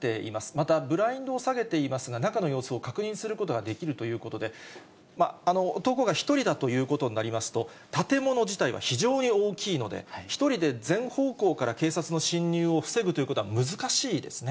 またブラインドを下げていますが、中の様子を確認することができるということで、男が１人だということになりますと、建物自体は非常に大きいので、１人で全方向から警察の進入を防ぐということは難しいですね。